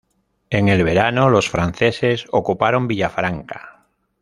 En el verano los franceses ocuparon Villafranca.